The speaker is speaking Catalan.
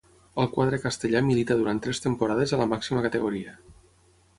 Al quadre castellà milita durant tres temporades a la màxima categoria.